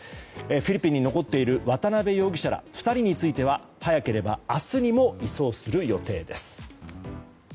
フィリピンに残っている渡邉容疑者ら２人については早ければ明日にも移送する予定です。